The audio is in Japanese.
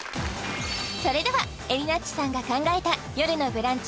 それではえりなっちさんが考えた「よるのブランチ」